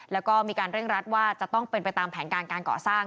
แล้วก็มีการเร่งรัดว่าจะต้องเป็นไปตามแผนการการก่อสร้าง